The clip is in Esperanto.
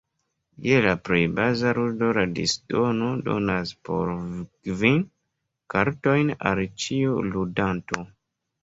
Je la plej baza ludo, la disdono donas po kvin kartojn al ĉiu ludanto.